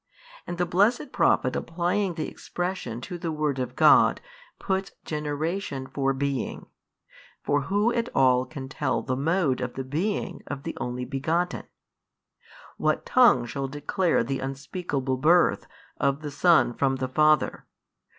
And the blessed Prophet applying the expression to the Word of God, puts generation for Being. For who at all can tell the mode of the Being of the Only Begotten? what tongue shall declare the unspeakable Birth of the Son from the Father?